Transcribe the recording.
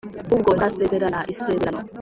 Ubwo nzasezerana isezerano